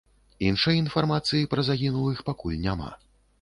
Іншай інфармацыі пра загінулых пакуль няма.